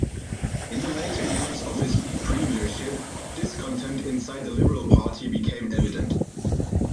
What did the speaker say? In the later years of his premiership, discontent inside the Liberal Party became evident.